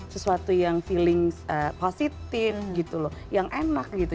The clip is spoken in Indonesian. sesuatu yang feeling positif gitu loh yang enak gitu